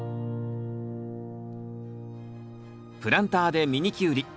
プランターでミニキュウリ。